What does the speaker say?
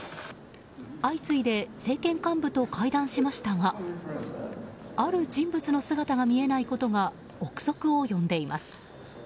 相次いで政権幹部と会談しましたがある人物の姿が見えないことが憶測を呼んでいます。